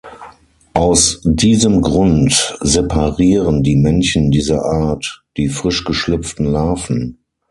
Aus diesem Grund separieren die Männchen dieser Art die frisch geschlüpften Larven.